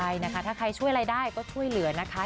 ใช่นะคะถ้าใครช่วยอะไรได้ก็ช่วยเหลือนะคะ